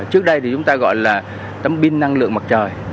trước đây thì chúng ta gọi là tấm pin năng lượng mặt trời